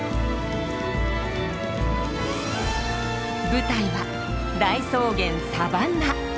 舞台は大草原サバンナ。